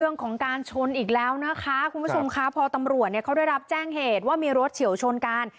เรื่องของการชนอีกแล้วนะคะคุณผู้ชมค่ะพอตำรวจเนี่ยเขาได้รับแจ้งเหตุว่ามีรถเฉียวชนกัน